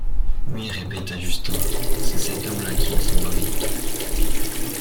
Oui, répéta Justin, c'est cet homme-là qui est son mari.